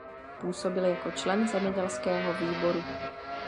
Působil jako člen zemědělského výboru.